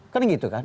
kan gitu kan